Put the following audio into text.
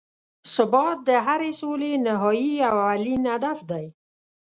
ثبات د هرې سولې نهایي او اولین هدف دی.